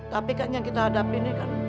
tapi kak yang kita hadapinnya kan